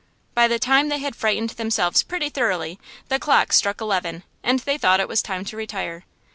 By the time they had frightened themselves pretty thoroughly the clock struck eleven and they thought it was time to retire.